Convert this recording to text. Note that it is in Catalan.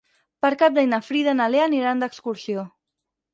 Per Cap d'Any na Frida i na Lea aniran d'excursió.